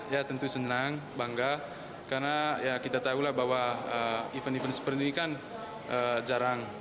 ya tentu senang bangga karena kita tahu bahwa event event seperti ini jarang